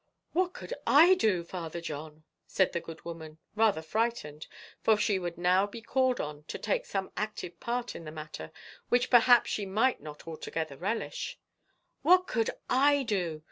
"What could I do, Father John?" said the good woman, rather frightened, for she would now be called on to take some active part in the matter, which perhaps she might not altogether relish; "what could I do?